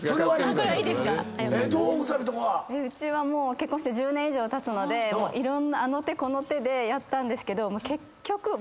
うちはもう結婚して１０年以上たつのであの手この手でやったんですけど結局。